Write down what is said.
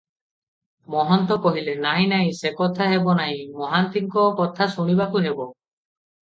ମହନ୍ତ କହିଲେ, "ନାହିଁ ନାହିଁ, ସେ କଥା ହେବ ନାହିଁ, ମହାନ୍ତିଙ୍କ କଥା ଶୁଣିବାକୁ ହେବ ।"